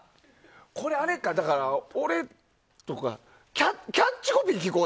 これ、俺とかキャッチコピー聞こう。